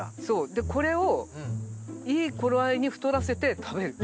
でこれをいい頃合いに太らせて食べる。